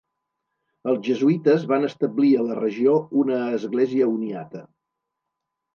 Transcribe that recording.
Els jesuïtes van establir a la regió una Església uniata.